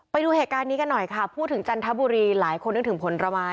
ไปดูเหตุการณ์นี้กันหน่อยค่ะพูดถึงจันทบุรีหลายคนนึกถึงผลไม้